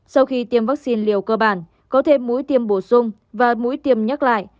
sau khi tiêm vaccine liều cơ bản có thêm mũi tiêm bổ sung và mũi tiêm nhắc lại